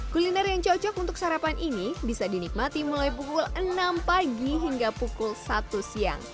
kuliner yang cocok untuk sarapan ini bisa dinikmati mulai pukul enam pagi hingga pukul satu siang